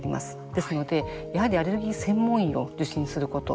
ですので、やはりアレルギー専門医を受診すること。